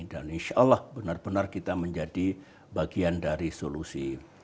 dan insya allah benar benar kita menjadi bagian dari solusi